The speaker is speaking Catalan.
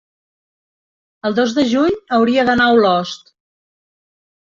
el dos de juny hauria d'anar a Olost.